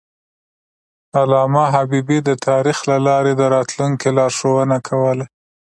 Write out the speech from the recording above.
علامه حبیبي د تاریخ له لارې د راتلونکي لارښوونه کوله.